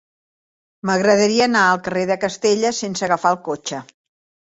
M'agradaria anar al carrer de Castella sense agafar el cotxe.